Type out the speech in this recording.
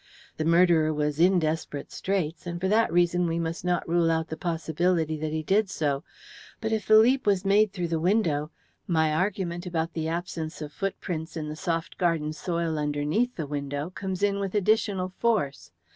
The murderer was in desperate straits, and for that reason we must not rule out the possibility that he did so. But if the leap was made through the window, my argument about the absence of footprints in the soft garden soil underneath the window comes in with additional force.